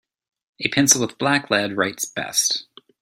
A pencil with black lead writes best.